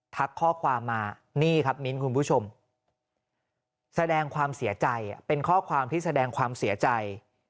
ข้อความมานี่ครับมิ้นคุณผู้ชมแสดงความเสียใจเป็นข้อความที่แสดงความเสียใจ